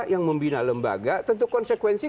yang membina lembaga tentu konsekuensi